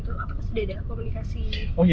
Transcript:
atau sudah ada komunikasi